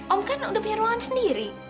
om kan udah punya ruangan sendiri